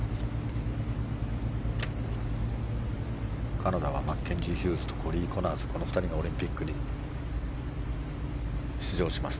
カナダはマッケンジー・ヒューズとコーリー・コナーズこの２人がオリンピックに出場します。